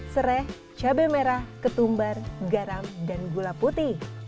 serai cabai merah ketumbar garam dan gula putih